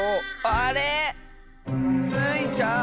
あれ⁉スイちゃん！